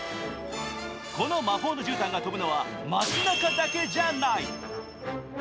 この魔法のじゅうたんが飛ぶのは街なかだけじゃない。